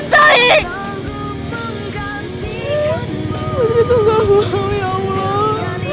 putri tunggal gue oh ya allah